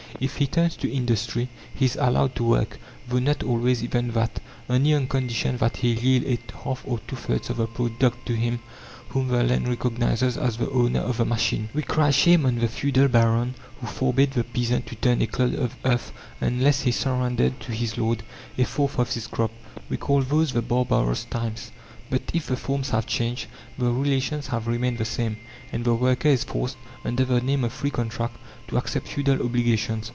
If he turns to industry, he is allowed to work though not always even that only on condition that he yield a half or two thirds of the product to him whom the land recognizes as the owner of the machine. We cry shame on the feudal baron who forbade the peasant to turn a clod of earth unless he surrendered to his lord a fourth of his crop. We called those the barbarous times. But if the forms have changed, the relations have remained the same, and the worker is forced, under the name of free contract, to accept feudal obligations.